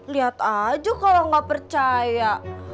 liat aja kalau gak percaya